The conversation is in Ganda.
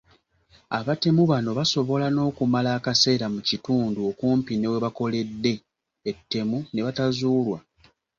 Abatemu bano basobola n’okumala akaseera mu kitundu okumpi ne we bakoledde, ettemu ne batazuulwa.